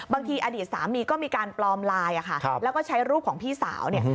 อดีตสามีก็มีการปลอมไลน์แล้วก็ใช้รูปของพี่สาวเนี่ย